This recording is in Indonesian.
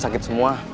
saya sudah berubah